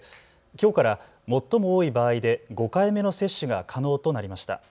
きょうから最も多い場合で５回目の接種が可能となりました。